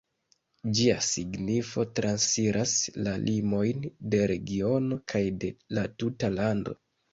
Ĝia signifo transiras la limojn de regiono kaj de la tuta lando.